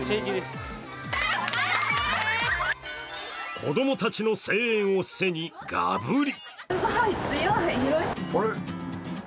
子供たちの声援を背にガブリ。